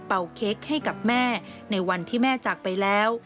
เค้กให้กับแม่ในวันที่แม่จากไปแล้ว